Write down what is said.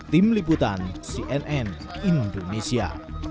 tim liputan cnn indonesia